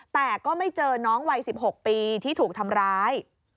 แต่ก็ไม่เจอน้องวัย๑๖ปีที่ถูกทำร้าย